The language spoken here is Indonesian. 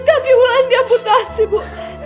kaki bulan diamputasi bu